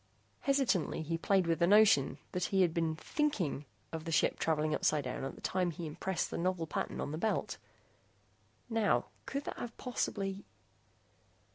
Hesitantly, he played with the notion that he had been thinking of the ship traveling upsidedown at the time he impressed the novel pattern on the belt. Now, could that have possibly